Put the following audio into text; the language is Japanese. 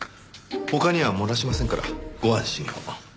他には漏らしませんからご安心を。